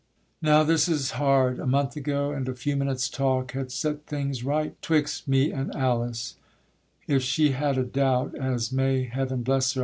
Now this is hard: a month ago, And a few minutes' talk had set things right 'Twixt me and Alice; if she had a doubt, As, may Heaven bless her!